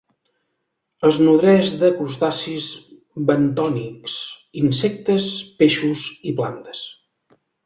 Es nodreix de crustacis bentònics, insectes, peixos i plantes.